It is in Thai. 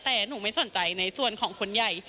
แต่หนูไม่สนใจในส่วนของคนใหญ่